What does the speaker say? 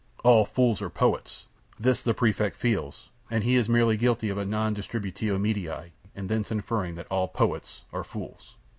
All fools are poets; this the Prefect feels; and he is merely guilty of a non distributio medii in thence inferring that all poets are fools.